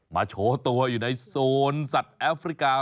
โชว์ตัวอยู่ในโซนสัตว์แอฟริกา